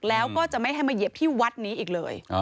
แล้วก็จะไม่ให้มาเหยียบที่วัดนี้อีกเลย